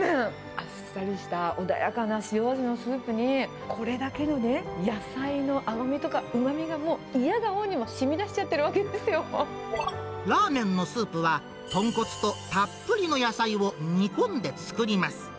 あっさりした穏やかな塩味のスープに、これだけのね、野菜の甘みとかうまみがもう、いやがおうにも染み出しちゃってラーメンのスープは、豚骨とたっぷりの野菜を煮込んで作ります。